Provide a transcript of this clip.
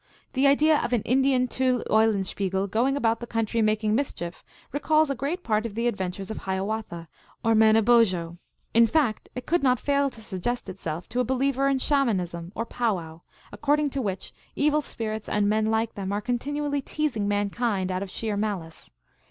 The idea of an Indian Tyl Eulenspiegel going about the country making mischief recalls a great part of the adventures of Hiawatha or Mano bozho ; in fact, it could not fail to suggest itself to a believer in Shamanism, or pow wow, according to which evil spirits and men like them are continually teasing mankind, out of sheer malice.